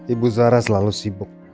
ibu zara selalu sibuk